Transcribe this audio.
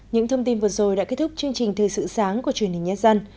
những thông tin vừa rồi đã kết thúc chương trình thời sự sáng của truyền hình nhân dân